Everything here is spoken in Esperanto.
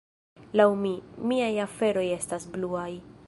"Laŭ mi, miaj aferoj estas bluaj."